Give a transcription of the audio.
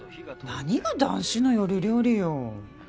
何が『男子の夜料理』よ。